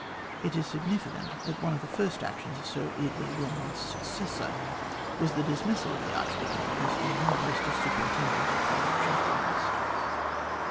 It is signi ficant that one of the first actions of Sir Eardley Wilmot's successor was the dismissal of the archdeacon in question from the post of Superintendent of Convict Chaplains.